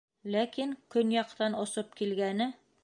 Ләкин көньяҡтан осоп килгәне: